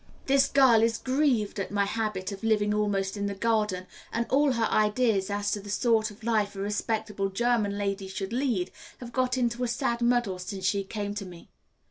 This girl is grieved at my habit of living almost in the garden, and all her ideas as to the sort of life a respectable German lady should lead have got into a sad muddle since she came to me.